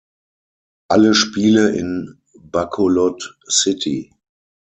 Alle Spiele in Bacolod City.